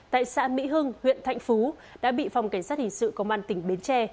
tại xã mỹ hưng huyện thạnh phú đã bị phòng cảnh sát hình sự công an tỉnh bến tre